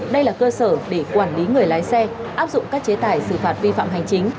đây là cơ sở để quản lý người lái xe áp dụng các chế tài xử phạt vi phạm hành chính